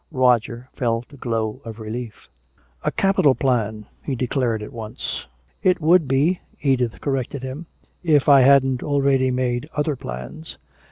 Roger felt a glow of relief. "A capital plan!" he declared at once. "It would be," Edith corrected him, "if I hadn't already made other plans."